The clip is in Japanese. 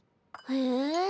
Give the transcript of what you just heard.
へえ。